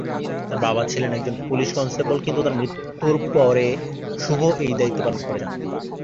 তাদের বাবা ছিলেন একজন পুলিশ কনস্টেবল কিন্তু তার মৃত্যুর পরে শুভ এই দায়িত্ব পালন করে যান।